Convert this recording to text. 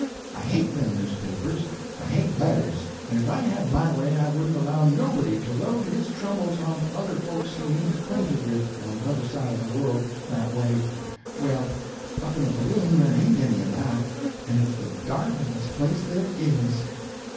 I hate them newspapers; and I hate letters; and if I had my way I wouldn't allow nobody to load his troubles on to other folks he ain't acquainted with, on t'other side of the world, that way. Well, up in a balloon there ain't any of that, and it's the darlingest place there is.